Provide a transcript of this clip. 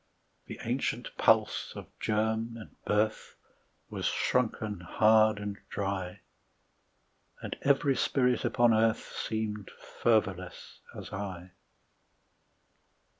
The ancient pulse of germ and birth Was shrunken hard and dry, And every spirit upon earth Seemed fervorless as I.